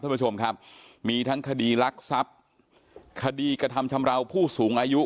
ท่านผู้ชมครับมีทั้งคดีรักทรัพย์คดีกระทำชำราวผู้สูงอายุ